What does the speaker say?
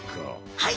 はい！